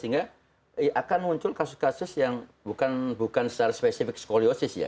sehingga akan muncul kasus kasus yang bukan secara spesifik skoliosis ya